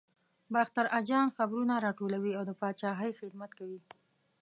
باختر اجان خبرونه راټولوي او د پاچاهۍ خدمت کوي.